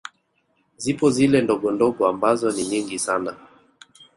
Zipo zile ndogondogo ambazo ni nyingi sana